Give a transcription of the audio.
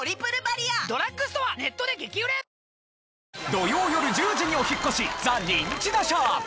土曜よる１０時にお引っ越し『ザ・ニンチドショー』。